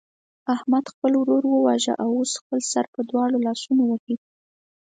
احمد خپل ورور وواژه او اوس خپل سر په دواړو لاسونو وهي.